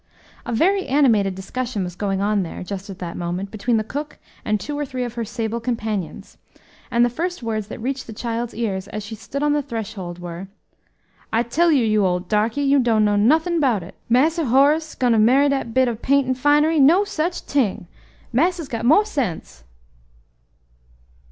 A very animated discussion was going on there, just at that moment, between the cook and two or three of her sable companions, and the first words that reached the child's ears, as she stood on the threshold, were, "I tell you, you ole darkie, you dunno nuffin' 'bout it! Massa Horace gwine marry dat bit ob paint an' finery! no such ting! Massa's got more sense."